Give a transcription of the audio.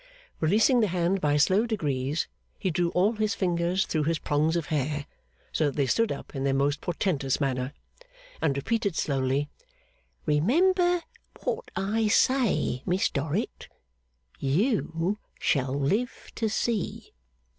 Releasing the hand by slow degrees, he drew all his fingers through his prongs of hair, so that they stood up in their most portentous manner; and repeated slowly, 'Remember what I say, Miss Dorrit. You shall live to see.